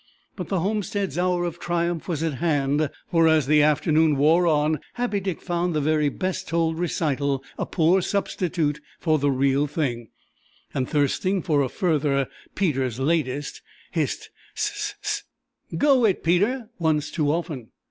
But the homestead's hour of triumph was at hand, for as the afternoon wore on, Happy Dick found the very best told recital a poor substitute for the real thing, and thirsting for a further "Peter's latest," hissed: "S—s—ss, go it, Peter!" once too often.